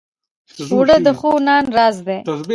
اوړه د ښو نان راز دی